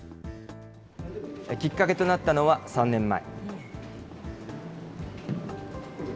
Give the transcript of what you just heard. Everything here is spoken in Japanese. きっかけとなったのは３年前。